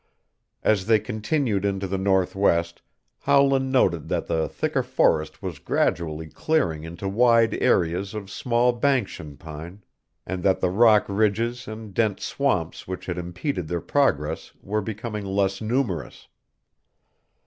As they continued into the northwest Howland noted that the thicker forest was gradually clearing into wide areas of small banskian pine, and that the rock ridges and dense swamps which had impeded their progress were becoming less numerous.